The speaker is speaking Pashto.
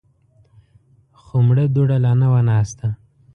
خو مړه دوړه لا نه وه ناسته.